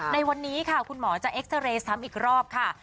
ในวันนี้ค่ะคุณหมอจะเอ็กซาเรย์ซ้ำอีกรอบค่ะ